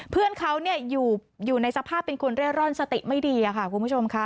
เพื่อนเขาอยู่ในสภาพเป็นคนเร่ร่อนสติไม่ดีค่ะคุณผู้ชมค่ะ